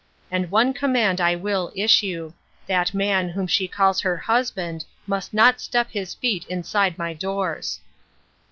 And one command I will issue : that man whom she calls her husband must not step his feet inside my doors."